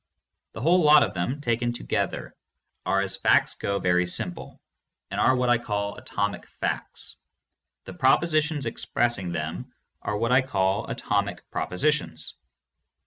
The whole lot of them, taken together, are as facts go very simple, and are what I call 522 THE MONIST. atomic facts. The propositions expressing them are what I call atomic propositions.